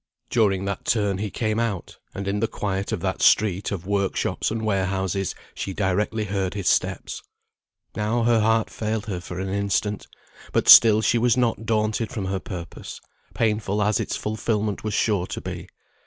During that turn he came out, and in the quiet of that street of workshops and warehouses, she directly heard his steps. Now her heart failed her for an instant; but still she was not daunted from her purpose, painful as its fulfilment was sure to be.